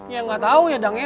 ya gak tau ya dang ya